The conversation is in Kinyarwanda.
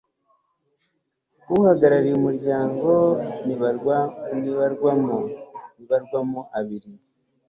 uhagarariye umuryango ribarwamo abiri